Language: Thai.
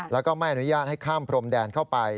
แล้วก็ไม่อนุญาตให้ข้ามพรมแดนเข้าไป